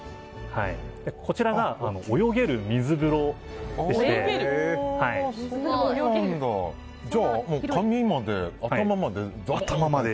こちらが泳げる水風呂でして髪まで頭まで。